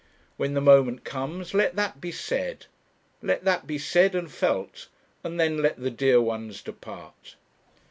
When the moment comes, let that be said; let that be said and felt, and then let the dear ones depart.